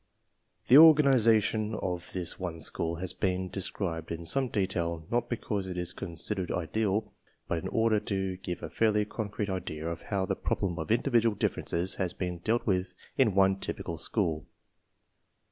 J^ The organization of this one school has been de scribed in some detail not because it is considered ideal, but in order to give a fairly concrete idea of how the problem of individual differences has been dealt with in one typical school.